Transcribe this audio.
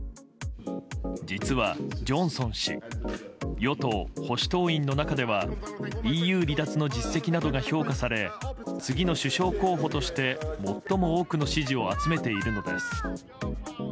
実は、ジョンソン氏与党・保守党員の中ではＥＵ離脱の実績などが評価され次の首相候補として、最も多くの支持を集めているのです。